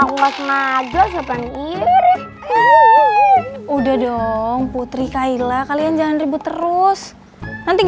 aku mas majo sopan iris udah dong putri kailah kalian jangan ribut terus nanti